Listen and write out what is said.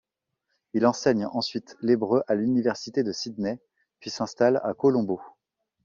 Il enseigne ensuite l'hébreu à l'université de Sydney, puis s'installe à Colombo.